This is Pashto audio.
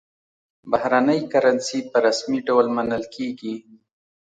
بهرنۍ کرنسي په رسمي ډول منل کېږي.